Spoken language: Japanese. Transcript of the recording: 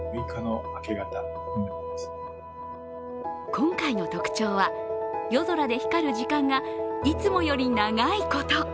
今回の特徴は、夜空で光る時間がいつもより長いこと。